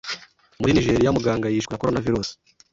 Muri Nigeria muganga yishwe na Coronavirus